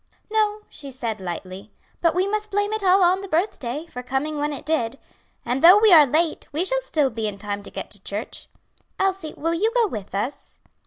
"No," she said lightly; "but we must blame it all on the birthday, for coming when it did. And though we are late, we shall still be in time to get to church. Elsie, will you go with us?"